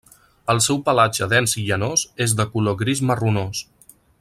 El seu pelatge dens i llanós és de color gris marronós.